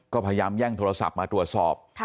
ก็พยายามแย่งโทรศัพท์มาตรวจสอบ